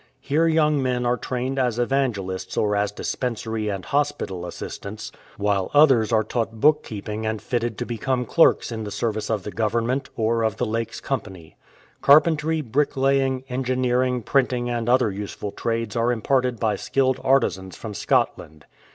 Here young men are trained as evangelists or as dispensary and hospital assistants, while others are taught bookkeeping and fitted to become clerks in the service of the Government or of the Lakes Com pany. Carpentry, bricklaying, engineering, printing, and other useful trades are imparted by skilled artisans from Scotland.